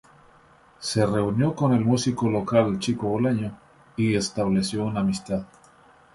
Se reunió con el músico local "Chico Bolaño" y estableció una amistad.